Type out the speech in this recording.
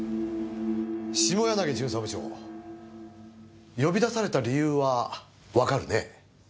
下柳巡査部長呼び出された理由はわかるね？